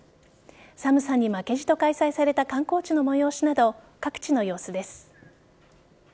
寒さに負けじと開催された観光地の催しなど各地の様子です。